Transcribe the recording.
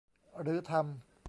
หรือทำ